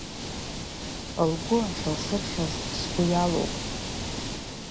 Лгәы ахьылсырхьыз сгәы иалоуп…